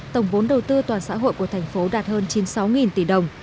tổng vốn đầu tư toàn xã hội của thành phố đạt hơn chín mươi sáu tỷ đồng